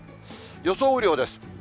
予想雨量です。